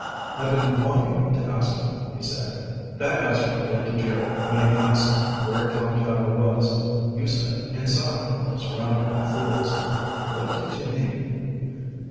"I've been wanting to ask you," he said. "That answer you gave to Jerry when he asked where Tom Tyler was. You said 'Inside. Surrounded by fools.' What did you mean?"